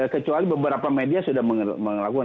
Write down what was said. kecuali beberapa media sudah melakukan